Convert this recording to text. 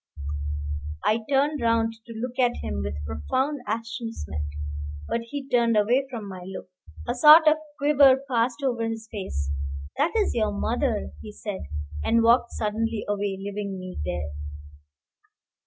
I turned round to look at him with profound astonishment, but he turned away from my look. A sort of quiver passed over his face. "That is your mother," he said, and walked suddenly away, leaving me there.